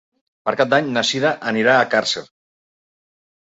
Per Cap d'Any na Sira anirà a Càrcer.